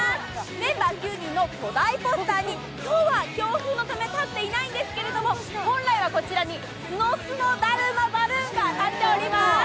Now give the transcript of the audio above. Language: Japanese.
メンバー９人の巨大ポスターに今日は強風のため立っていないんですけれども、本来はこちらにすのすのだるまバルーンが立っております！